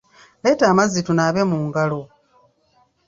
Leeta amazzi tunaabe mu ngalo.